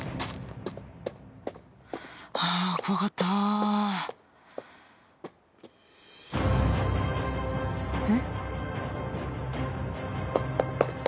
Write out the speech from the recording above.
あ怖かったえ？